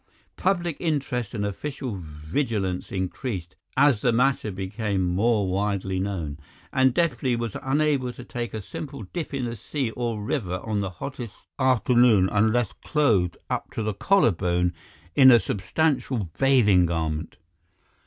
Public interest and official vigilance increased as the matter became more widely known, and Deplis was unable to take a simple dip in the sea or river on the hottest afternoon unless clothed up to the collarbone in a substantial bathing garment.